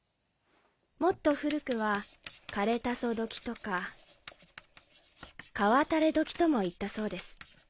もっと古くは「彼誰そ時」とか「彼は誰れ時」とも言ったそうです。